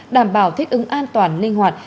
đảm bảo thích ứng an toàn linh hoạt